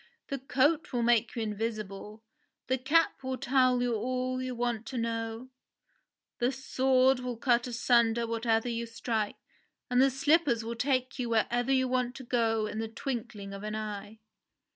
The coat will make you invisible, the cap will tell you all you want to know, the sword will cut asunder whatever you strike, and the slippers will take you wherever you want to go in the twinkling of an eye